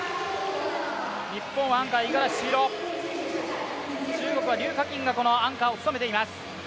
日本アンカー・五十嵐千尋、中国は柳雅欣がアンカーを務めています。